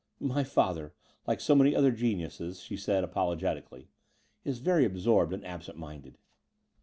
"My father, like so many other geniuses," she said apologetically, "is very absorbed and absent minded."